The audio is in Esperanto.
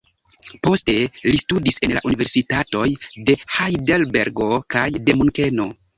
Poste li studis en la Universitatoj de Hajdelbergo kaj de Munkeno.